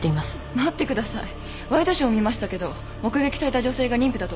待ってくださいワイドショー見ましたけど目撃された女性が妊婦だとは一言も。